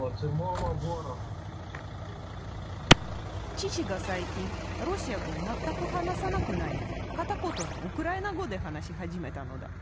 父が最近ロシア語を全く話さなくなり片言のウクライナ語で話し始めたのだ。